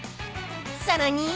［さらに］